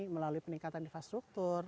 melalui peningkatan infrastruktur